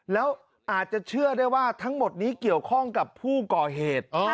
แล้วอาจจะเชื่อได้ว่าทั้งหมดนี้เกี่ยวข้องกับผู้ก่อเหตุ